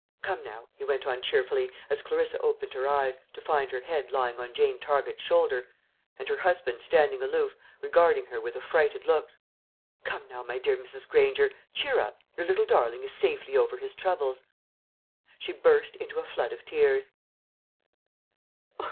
Come now," he went on cheerfully, as Clarissa opened her eyes, to find her head lying on Jane Target's shoulder, and her husband standing aloof regarding her with affrighted looks "come now, my dear Mrs. Granger, cheer up; your little darling is safely over his troubles." She burst into a flood of tears.